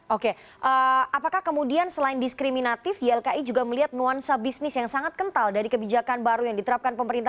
oke apakah kemudian selain diskriminatif ylki juga melihat nuansa bisnis yang sangat kental dari kebijakan baru yang diterapkan pemerintah